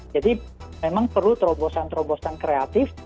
jadi memang perlu terobosan terobosan kreatif